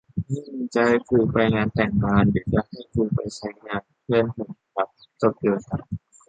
นี่มึงจะให้กูไปงานแต่งงาน หรือจะให้กูไปไซต์งาน ? เพื่อนผมครับจบโยธา